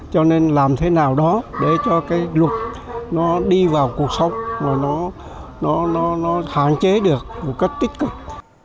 cho nên làm thế nào đó để cho cái luật nó đi vào cuộc sống mà nó hạn chế được một cách tích cực